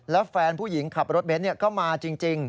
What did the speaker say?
แล้วแฟนผู้หญิงขับรถเบนท์ก็มาจริง